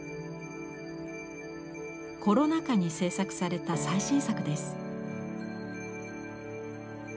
コロナ禍に制作された最新作です。